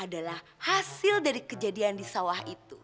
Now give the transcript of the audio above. adalah hasil dari kejadian di sawah itu